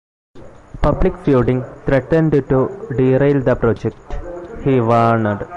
Public feuding threatened to derail the project, he warned.